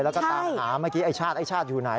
แล้วก็ตามถามไอ้ชาติอยู่ไหน